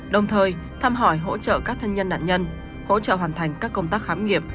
đồng thời thăm hỏi hỗ trợ các thân nhân nạn nhân hỗ trợ hoàn thành các công tác khám nghiệp